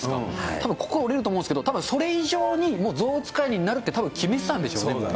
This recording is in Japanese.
たぶん、心折れると思うんですけど、たぶんそれ以上にもう象使いになるってたぶん、決めてたんでしょうね。